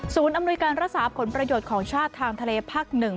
อำนวยการรักษาผลประโยชน์ของชาติทางทะเลภาค๑